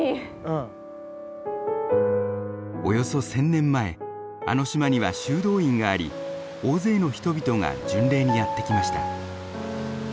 およそ１，０００年前あの島には修道院があり大勢の人々が巡礼にやって来ました。